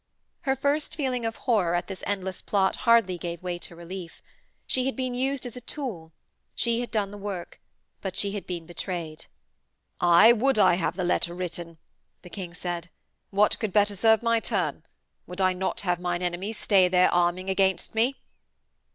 Her first feeling of horror at this endless plot hardly gave way to relief. She had been used as a tool; she had done the work. But she had been betrayed. 'Aye, would I have the letter written,' the King said. 'What could better serve my turn? Would I not have mine enemies stay their arming against me?'